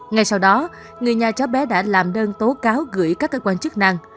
ngay sau đó người nhà cháu bé đã làm đơn tố cáo gửi các cơ quan chức năng